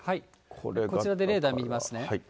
こちらでレーダー見ますね。